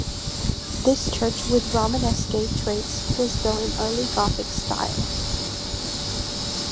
This church with Romanesque traits was built in early Gothic style.